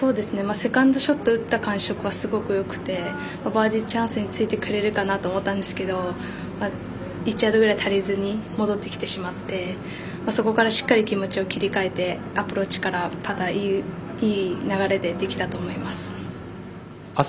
セカンドショット打った感触はすごくよくてバーディーチャンスについてくれるかなと思ったんですけど１ヤードぐらい足りずに戻ってきてしまってそこからしっかり気持ちを切り替えてアプローチからパターいい流れでできたと思います。